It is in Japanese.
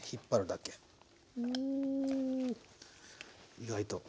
意外と。